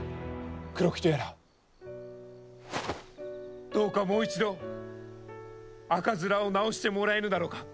黒木とやらどうかもう一度赤面を治してもらえぬだろうか！